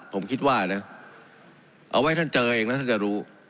ผมคิดว่านะเอาไว้ท่านเจอเองแล้วท่านจะรู้